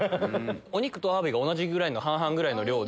お肉とアワビが同じぐらいの半々くらいの量で。